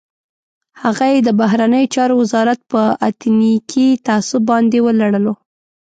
هغه یې د بهرنیو چارو وزارت په اتنیکي تعصب باندې ولړلو.